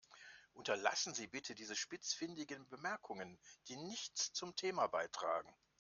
Unterlassen Sie bitte diese spitzfindigen Bemerkungen, die nichts zum Thema beitragen.